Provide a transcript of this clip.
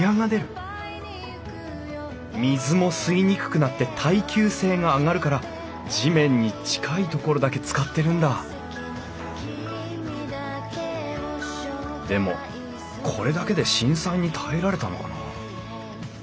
水も吸いにくくなって耐久性が上がるから地面に近いところだけ使ってるんだでもこれだけで震災に耐えられたのかな？